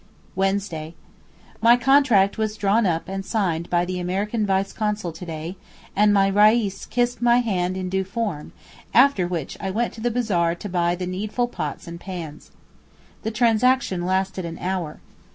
Wednesday.—My contract was drawn up and signed by the American Vice Consul to day, and my Reis kissed my hand in due form, after which I went to the bazaar to buy the needful pots and pans. The transaction lasted an hour.